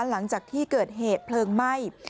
หลังจากที่เกิดเหตุเพลิงไหม้